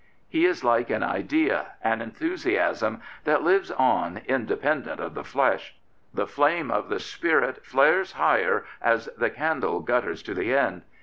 He is like an idea, an enthusiasm, that lives on independent of the flesh. The flame of the spirit flares higher as the candle gutters to the end.